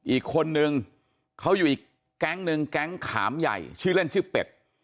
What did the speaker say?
อีกคนนึงเขาอยู่อีกแก๊งหนึ่งแก๊งขามใหญ่ชื่อเล่นชื่อเป็ด